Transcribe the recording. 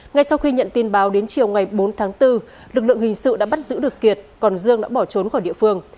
ngay sau khi nhận tin báo đến chiều ngày bốn tháng bốn lực lượng hình sự đã bắt giữ được kiệt còn dương đã bỏ trốn khỏi địa phương